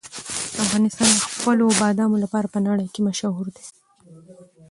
افغانستان د خپلو بادامو لپاره په نړۍ کې مشهور دی.